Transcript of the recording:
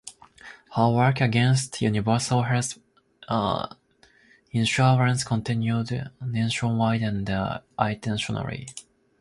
Her work against universal health insurance continued nationwide and internationally.